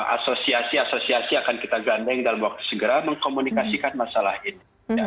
asosiasi asosiasi akan kita gandeng dalam waktu segera mengkomunikasikan masalah ini